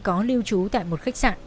có lưu trú tại một khách sạn